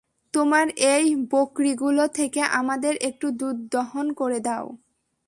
তোমার এই বকরীগুলো থেকে আমাদের একটু দুধ দোহন করে দাও।